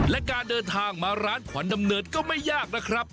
และการเดินทางมาร้านขวัญดำเนินก็ไม่ยากนะครับ